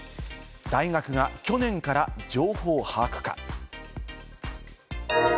大学が去年から情報を把握か？